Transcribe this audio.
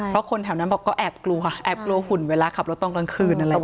เพราะคนแถวนั้นบอกก็แอบกลัวแอบกลัวหุ่นเวลาขับรถตอนกลางคืนอะไรอย่างนี้